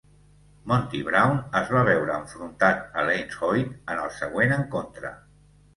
Monty Brown es va veure enfrontat a Lance Hoyt en el següent encontre.